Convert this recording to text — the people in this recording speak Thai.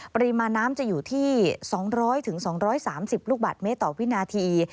ปริมาณน้ำจะอยู่ที่๒๐๐๒๓๐ลูกบาทเมตรต่อวินาที